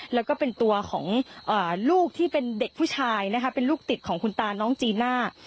แล้วก็เป็นตัวของลูกที่เป็นเด็กผู้ชายนะคะเป็นลูกติดของคุณตาน้องจีน่า